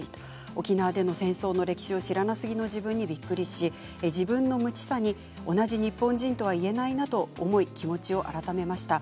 沖縄での戦争の歴史を知らなすぎる自分にびっくりし同じ日本人とは言えないなと思い気持ちを改めました。